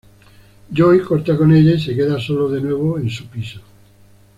Joey corta con ella y se queda solo de nuevo en su piso.